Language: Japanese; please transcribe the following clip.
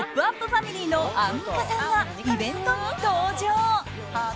ファミリーのアンミカさんがイベントに登場。